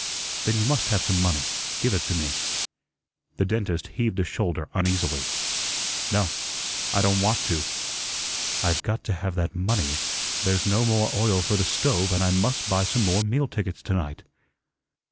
"Then you must have some money. Give it to me." The dentist heaved a shoulder uneasily. "No, I don' want to." "I've got to have that money. There's no more oil for the stove, and I must buy some more meal tickets to night."